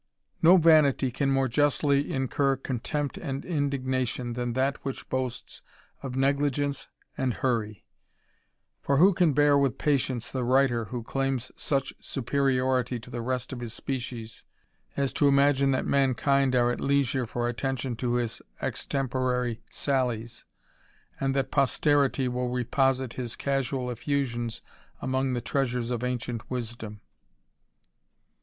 No vanity can more justly incur contempt and indignatio^^ than that which boasts of negligence and hurry. For wb^^ can bear with patience the writer who claims such superiorit to the rest of his species, as to imagine that mankind are leisure for attention to his extemporary sallies, and tl posterity will reposite his casual eflusions among treasures of ancient wisdom